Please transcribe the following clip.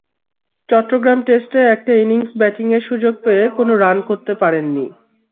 চট্টগ্রাম টেস্টে একটা ইনিংস ব্যাটিংয়ের সুযোগ পেয়ে কোনো রান করতে পারেননি।